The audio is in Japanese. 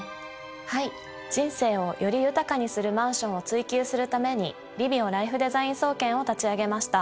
はい人生をより豊かにするマンションを追求するためにリビオライフデザイン総研を立ち上げました。